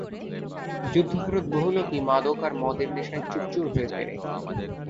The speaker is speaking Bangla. যুদ্ধফেরত বহু লোকই মাদক আর মদের নেশায় চুরচুর হয়ে ফেরে।